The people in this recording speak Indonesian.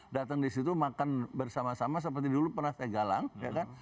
datang disitu makan bersama sama seperti dulu pernah tegalang ya kan